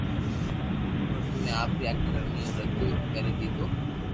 اراده ني آپري عقل مون رڌ ري ڌيڌو